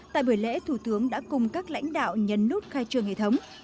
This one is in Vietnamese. tại buổi lễ thủ tướng đã cùng các lãnh đạo nhấn nút khai trương hệ thống